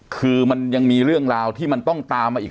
คือมันยังมีเรื่องราวที่มันต้องตามมาอีก